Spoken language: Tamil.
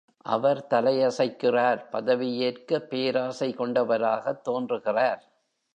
அவர் தலையசைக்கிறார், பதவியேற்க பேராசை கொண்டவராகத் தோன்றுகிறார்.